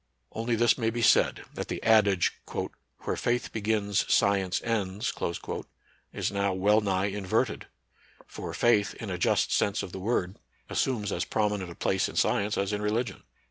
Only this may be said, that the adage, " Where faith begins sci ence ends " is now well nigh inverted. For faith, in a just sense of the word, assumes as promineiit a place in science as in religion.